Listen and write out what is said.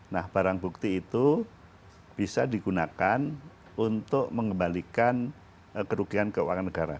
nah barang bukti itu bisa digunakan untuk mengembalikan kerugian keuangan negara